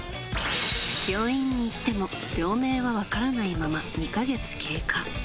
病院に行っても、病名は分からないまま、２か月経過。